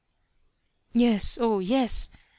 " Yes, oh, yes !